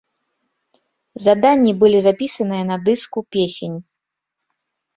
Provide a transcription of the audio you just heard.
Заданні былі запісаныя на дыску песень.